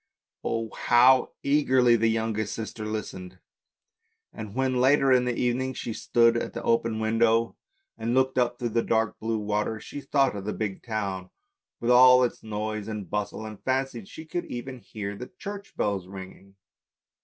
Oh! how eagerly the youngest sister listened, and when, later in the evening she stood at the open window and looked 4 ANDERSEN'S FAIRY TALES up through the dark blue water, she thought of the big town with all its noise and bustle, and fancied that she could even hear the church bells ringing.